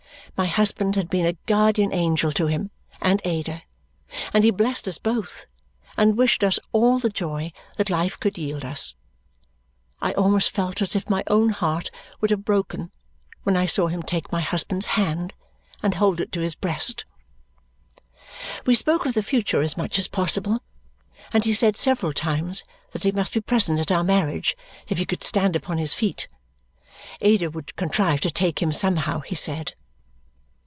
My husband had been a guardian angel to him and Ada, and he blessed us both and wished us all the joy that life could yield us. I almost felt as if my own heart would have broken when I saw him take my husband's hand and hold it to his breast. We spoke of the future as much as possible, and he said several times that he must be present at our marriage if he could stand upon his feet. Ada would contrive to take him, somehow, he said.